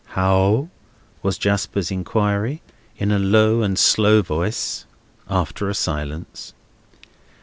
"How?" was Jasper's inquiry, in a low and slow voice, after a silence.